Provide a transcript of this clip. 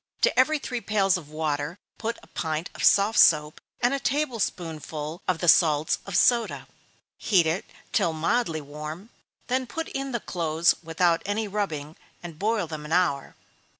To every three pails of water put a pint of soft soap, and a table spoonful of the salts of soda. Heat it till mildly warm, then put in the clothes without any rubbing, and boil them an hour.